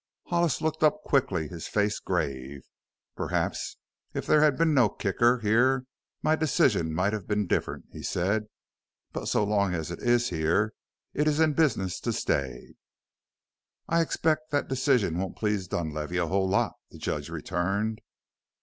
Hollis looked up quickly, his face grave. "Perhaps if there had been no Kicker here my decision might have been different," he said. "But so long as it is here it is in business to stay!" "I expect that decision won't please Dunlavey a whole lot," the judge returned.